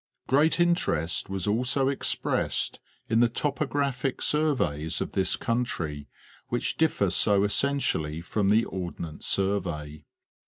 Great interest was also expressed in the topographic surveys of this country which differ so essentially from the Ordnance Sur vey.